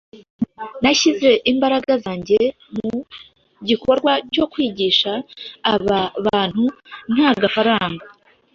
Nashyize imbaraga zanjye mu gikorwa cyo kwigisha aba bantu nta gafaranga